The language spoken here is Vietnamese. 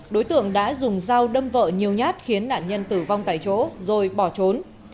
đối tượng đã dùng dao đâm vợ nhiều nhát khiến nạn nhân tử vong tại chỗ rồi bỏ trốn